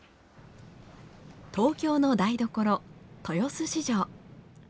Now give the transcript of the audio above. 東京の台所、豊洲市場。